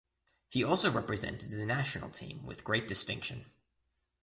He also represented the national team with great distinction.